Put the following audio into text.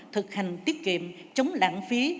thực hành tiết kiệm chống lãng phí